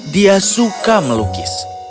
dia suka melukis